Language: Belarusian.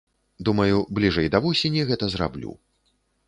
Думаю, бліжэй да восені гэта зраблю.